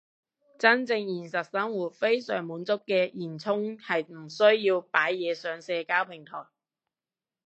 真正現實生活非常滿足嘅現充係唔需要擺嘢上社交平台